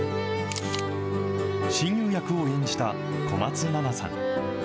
親友役を演じた小松菜奈さん。